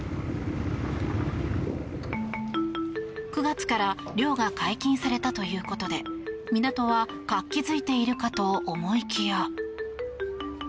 ９月から漁が解禁されたということで港は活気づいているかと思いきや。